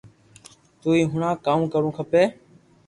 تو ھي ھڻاو ڪاو ڪروُ کپي